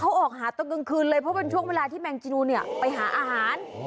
เขาออกหาต้นกางคืนเลยเพราะเป็นช่วงที่แมงจีนูลไปหาอาหาร